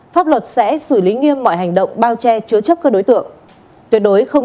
pháp luật sẽ xử lý nghiêm mọi hành động bao che chứa chấp các đối tượng